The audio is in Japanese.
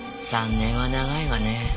３年は長いわね。